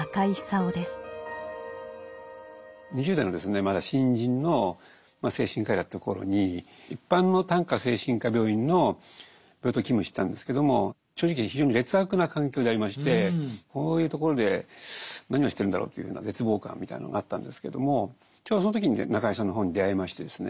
２０代のですねまだ新人の精神科医だった頃に一般の単科精神科病院の病棟勤務してたんですけども正直非常に劣悪な環境でありましてこういうところで何をしてるんだろうというふうな絶望感みたいなのがあったんですけどもちょうどその時に中井さんの本に出会いましてですね